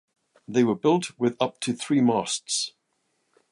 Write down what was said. They were built with up to three masts.